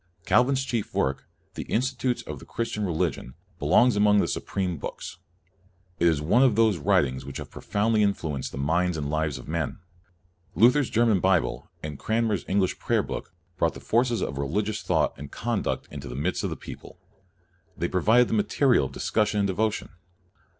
Calvin's chief work, the " Institutes of the Christian Religion," belongs among the supreme books. It is one of those writ ings which have profoundly influenced the minds and lives of men. Luther's German Bible and Cranmer's English Prayer book brought the forces of religious thought and conduct into the midst of the people. They provided the materials of discussion and devotion.